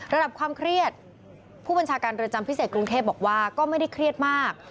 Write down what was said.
ระดับความเครียดผู้บัญชาการเรือนจำพิเศษกรุงเทพบอกว่าก็ไม่ได้เครียดมาก